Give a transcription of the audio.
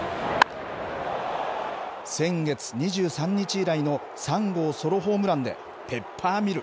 先月２３日以来の３号ソロホームランでペッパーミル。